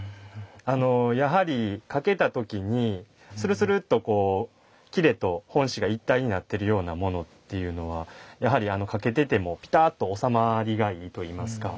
やはり掛けた時にスルスルっとこう裂と本紙が一体になってるようなものっていうのはやはり掛けててもぴたっと収まりがいいといいますか。